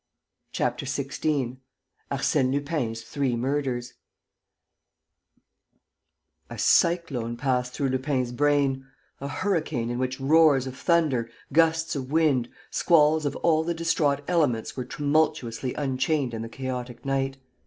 CHAPTER XVI ARSÈNE LUPIN'S THREE MURDERS A cyclone passed through Lupin's brain, a hurricane in which roars of thunder, gusts of wind, squalls of all the distraught elements were tumultuously unchained in the chaotic night.